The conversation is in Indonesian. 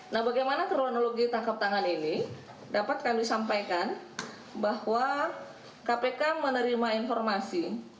nah bagaimana kronologi tangkap tangan ini dapat kami sampaikan bahwa kpk menerima informasi